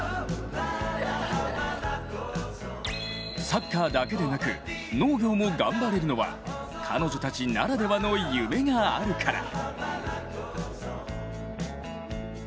サッカーだけでなく農業も頑張れるのは彼女たちならではの夢があるから。